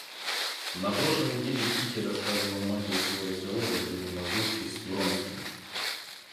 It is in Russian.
На прошлой неделе Кити рассказала матери свой разговор во время мазурки с Вронским.